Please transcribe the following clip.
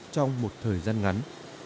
trong một thời gian ngắn